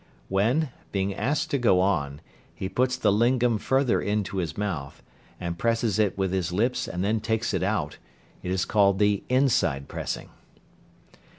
When, being asked to go on, he put the lingam further into his mouth, and presses it with his lips and then takes it out, it is called the "inside pressing."